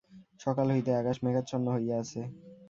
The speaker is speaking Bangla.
সকাল হইতেই আকাশ মেঘাচ্ছন্ন হইয়া আছে।